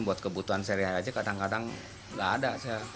buat kebutuhan saya rehat aja kadang kadang nggak ada